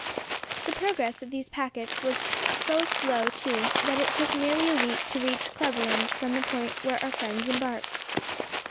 The progress of these packets was so slow too, that it took nearly a week to reach Cleveland from the point where our friends embarked.